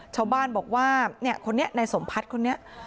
ชาวบ้านบอกว่านี่ในสมพัฒน์คนนี้